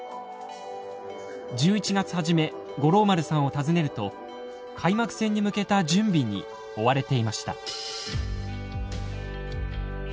１１月初め五郎丸さんを訪ねると開幕戦に向けた準備に追われていました。